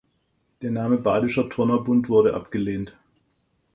Der Name "Badischer Turnerbund" wurde abgelehnt.